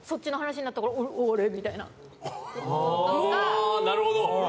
あなるほど。